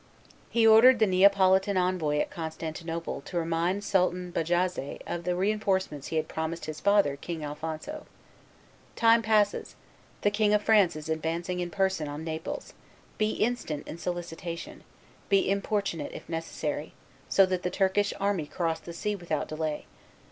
He ordered the Neapolitan envoy at Constantinople to remind Sultan Bajazet of the re enforcements he had promised his father, King Alphonso: "Time presses; the King of France is advancing in person on Naples; be instant in solicitation; be importunate if necessary, so that the Turkish army cross the sea without delay.